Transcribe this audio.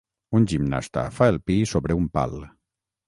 Un gimnasta fa el pi sobre un pal.